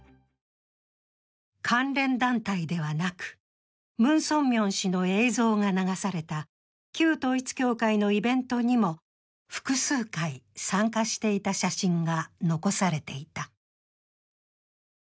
関連団体ではなくムン・ソンミョン氏の映像が流された旧統一教会のイベントにも複数回参加していた写真が残されていた。